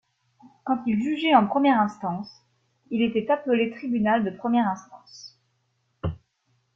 Quand il jugeait en première instance, il était appelé tribunal de première instance.